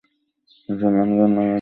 মুসলমানগণ নামাযে কুরআনের আয়াত পাঠ করে।